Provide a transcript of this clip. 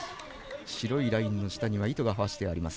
白いラインの下には糸が、はわせてあります。